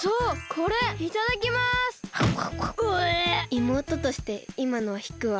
いもうととしていまのはひくわ。